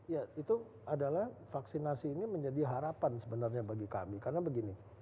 ya itu adalah vaksinasi ini menjadi harapan sebenarnya bagi kami karena begini